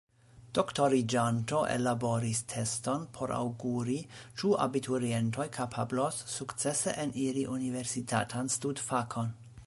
Doktoriĝanto ellaboris teston por aŭguri, ĉu abiturientoj kapablos sukcese eniri universitatan studfakon.